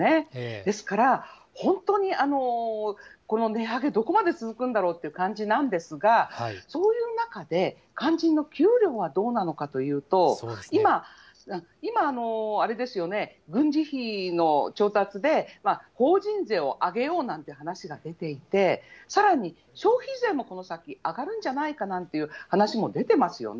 ですから、本当にこの値上げ、どこまで続くんだろうという感じなんですが、そういう中で、肝心の給料はどうなのかというと、今、あれですよね、軍事費の調達で、法人税を上げようなんて話が出ていて、さらに消費税もこの先、上がるんじゃないかなんて話も出てますよね。